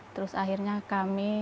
terus akhirnya kami